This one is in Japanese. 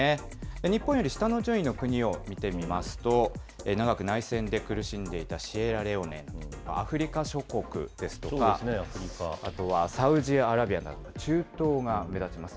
日本より下の順位の国を見てみますと、長く内戦で苦しんでいたシエラレオネ、アフリカ諸国ですとか、あとはサウジアラビアなど、中東が目立ちます。